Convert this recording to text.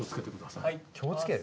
気をつける？